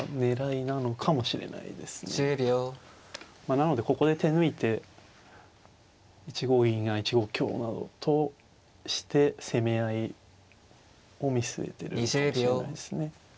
なのでここで手抜いて１五銀や１五香などとして攻め合いを見据えてるのかもしれないですね。